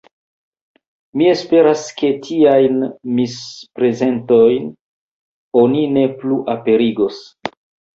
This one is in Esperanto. Mi esperas, ke tiajn misprezentojn oni ne plu aperigos.